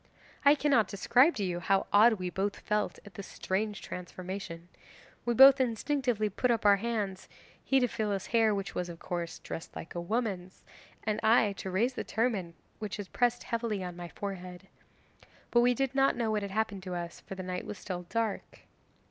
'I cannot describe to you how odd we both felt at this strange transformation. We both instinctively put up our hands he to feel his hair, which was, of course, dressed like a woman's, and I to raise the turban which pressed heavily on my forehead. But we did not know what had happened to us, for the night was still dark.